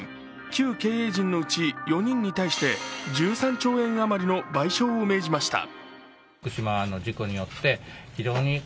旧経営陣のうち４人に対して１３兆円あまりの賠償を命じました。